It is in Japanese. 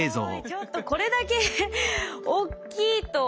ちょっとこれだけおっきいと。